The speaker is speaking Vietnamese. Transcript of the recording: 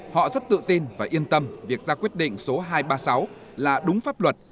họ rất tự tin và yên tâm việc ra quyết định số hai trăm ba mươi sáu là đúng pháp luật